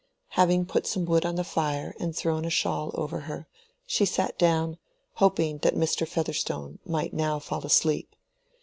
Having put some wood on the fire and thrown a shawl over her, she sat down, hoping that Mr. Featherstone might now fall asleep.